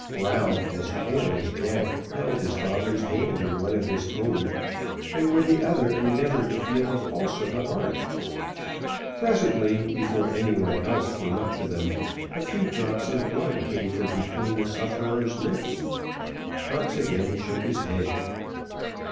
Ralph, as pale as death, held his father's hand in one of his own, and with the other endeavoured to feel the pulse of the heart. Presently, before any one else came up to them, a few drops of blood came from between the sufferer's lips. Cox again shook his head.